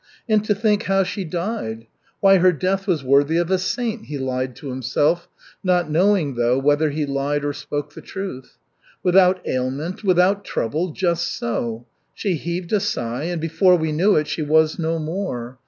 "And to think how she died! Why, her death was worthy of a saint," he lied to himself, not knowing, though, whether he lied or spoke the truth. "Without ailment, without trouble just so. She heaved a sigh, and before we knew it, she was no more.